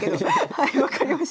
はい分かりました。